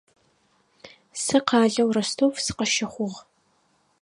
Сэ къалэу Ростов сыкъыщыхъугъ.